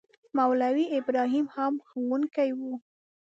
مولوي ابراهیم هم ښوونکی وو.